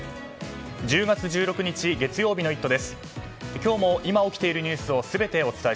１０月１６日、月曜日の「イット！」